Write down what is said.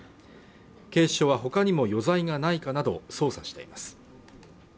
警視庁は他にも余罪がないかなどを捜査しています。